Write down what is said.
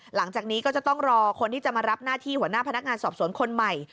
หลังจากนี้ก็จะต้องรอคนที่จะมารับหน้าที่หัวหน้าพนักงานสอบสวนคนใหม่